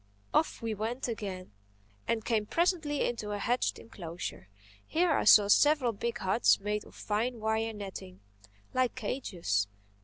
Off we went again and came presently into a hedged enclosure. Here I saw several big huts made of fine wire netting, like cages.